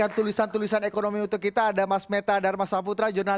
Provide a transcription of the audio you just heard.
untuk menghadapi ekonomi kita tahun dua ribu dua puluh